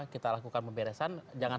kita lakukan pemberesan jangan